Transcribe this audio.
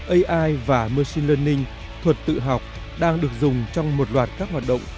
ai và machine learning thuật tự học đang được dùng trong một loạt các hoạt động